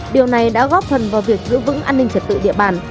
điều này đã góp phần vào việc giữ vững an ninh trật tự địa bàn